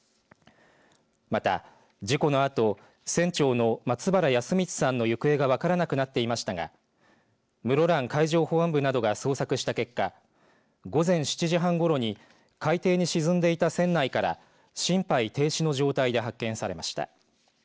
また、事故のあと船長の松原保光さんの行方が分からなくなっていましたが室蘭海上保安部などが捜索した結果午前７時半ごろに海底に沈んでいた船内から心肺停止の状態で発見されました。